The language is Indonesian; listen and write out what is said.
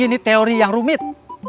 ini teori yang rumit